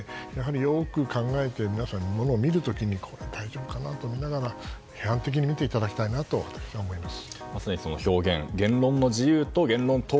よく考えて皆さん、物を見るときこれは大丈夫かと思いながら批判的に見ていただきたいと思います。